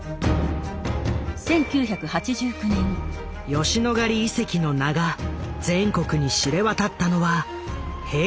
吉野ヶ里遺跡の名が全国に知れ渡ったのは平成元年。